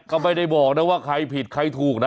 ก็ไม่ได้บอกนะว่าใครผิดใครถูกนะ